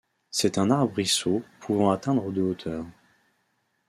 C'est un arbrisseau pouvant atteindre de hauteur.